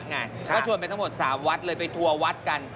ก็ชวนกันไปทั้งหมดสามวัดเลยไปทัววนตกกัน